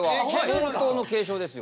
本当の軽症ですよ。